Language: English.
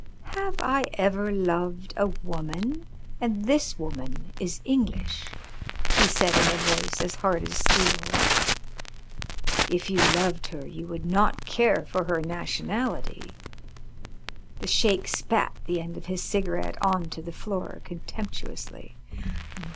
"Have I ever loved a woman? And this woman is English," he said in a voice as hard as steel. "If you loved her you would not care for her nationality." The Sheik spat the end of his cigarette on to the floor contemptuously.